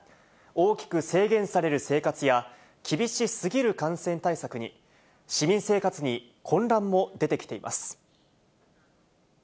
大きく制限される生活や、厳しすぎる感染対策に、市民生活に混乱も出てきています。